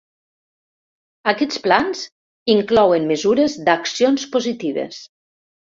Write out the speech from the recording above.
Aquests plans inclouen mesures d'accions positives.